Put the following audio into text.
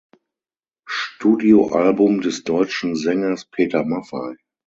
Studioalbum des deutschen Sängers Peter Maffay.